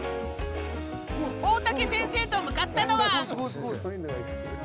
大竹先生と向かったのは。